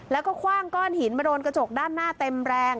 แล้วก็คว่างก้อนหินมาโดนกระจกด้านหน้าเต็มแรง